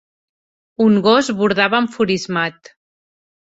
Un gos bordava enfurismat.